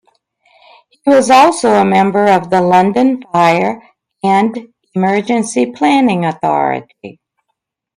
He was also a member of the London Fire and Emergency Planning Authority.